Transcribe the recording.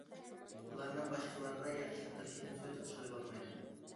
ئۇلارنىڭ باشقىلارغا ياخشىلىق قىلىشىدىن سۆز ئاچقىلى بولمايدۇ.